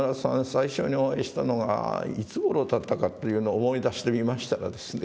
最初にお会いしたのがいつごろだったかというのを思い出してみましたらですね